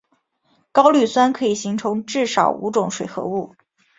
高氯酸可以形成至少五种水合物。